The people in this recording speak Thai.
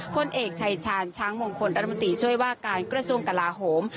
พลเอกชายชาญช้างมงคลรัฐมนตรีช่วยว่าการกระทรวงกลาโหม